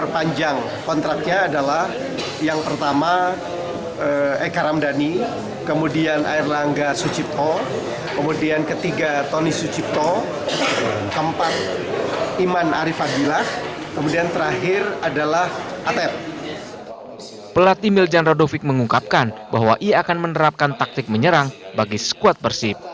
pelatih miljan radovik mengungkapkan bahwa ia akan menerapkan taktik menyerang bagi skuad persib